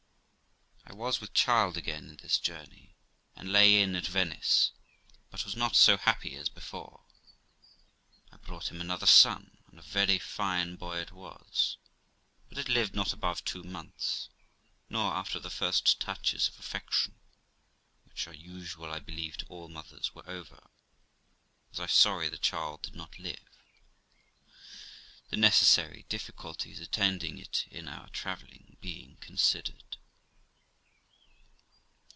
I was with child again in this journey, and lay in at Venice, but was not so happy as before. I brought him another son, and a very fine boy it was, but it lived not above two months; nor, after the first touches of affection (which are usual, I believe, to all mothers) were over, was I sorry the child did not live, the necessary difficulties attending it in our travelling being considered.